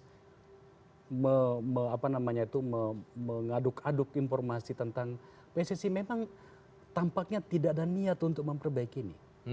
saya mengaduk aduk informasi tentang pssi memang tampaknya tidak ada niat untuk memperbaiki ini